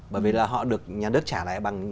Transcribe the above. bởi vì là họ được nhà nước trả lại bằng